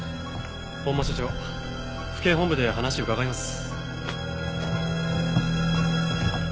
本間社長府警本部で話を伺います。